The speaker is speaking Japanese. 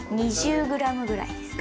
２０ｇぐらいです。